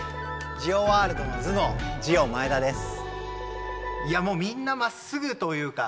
ジオワールドの頭脳ジオマエダです。